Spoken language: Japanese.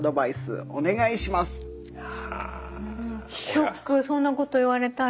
ショックそんなこと言われたら。